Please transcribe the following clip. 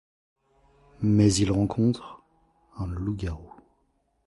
Mais il rencontre un loup-garou...